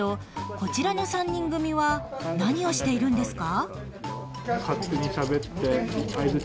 こちらの３人組は何をしているんですか？